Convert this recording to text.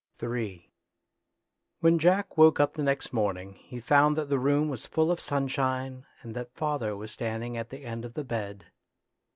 Ill When Jack woke up the next morning he found that the room was full of sunshine, and that father was standing at the end of the bed.